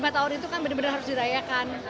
lima tahun itu kan benar benar harus dirayakan